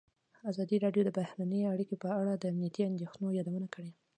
ازادي راډیو د بهرنۍ اړیکې په اړه د امنیتي اندېښنو یادونه کړې.